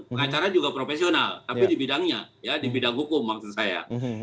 pengacara juga profesional tapi di bidangnya ya di bidang hukum maksud saya